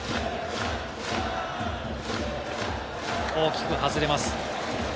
大きく外れます。